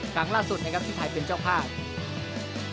ครั้งล่าสุดนะครับที่ไทยเป็นเจ้าภาพ